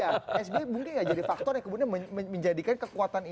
nah itu dia sby mungkin nggak jadi faktor yang kemudian menjadikan kekuatan ini